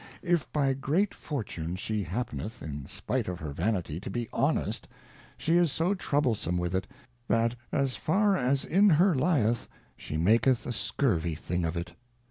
If by great Fortune she happeneth, in spite of her Vanity, to be honest, she is so troublesome with it, that as far as in her lieth, she maketh a scurvy thing of it.